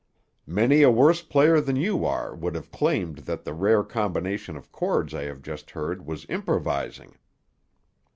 Many a worse player than you are would have claimed that the rare combination of chords I have just heard was improvising."